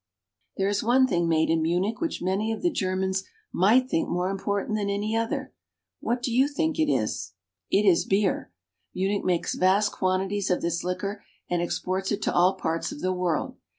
There is one thing made in Munich which many of the Germans might think more important than any other. What do you think it is ? It is beer. Munich makes vast quantities of this liquor and exports it to all parts of the world.